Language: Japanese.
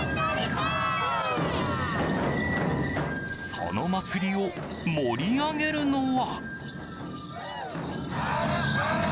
その祭りを盛り上げるのは。